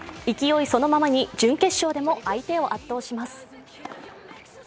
勢いそのままに準決勝でも相手を圧倒します。